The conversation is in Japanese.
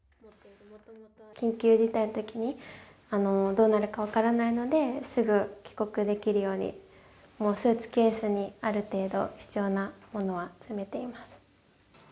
緊急事態のときにどうなるか分からないので、すぐ帰国できるように、もうスーツケースにある程度、必要なものは詰めています。